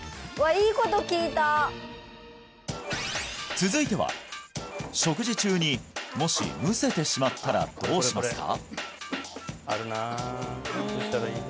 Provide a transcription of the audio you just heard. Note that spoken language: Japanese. いいこと聞いた続いては食事中にもしむせてしまったらどうしますか？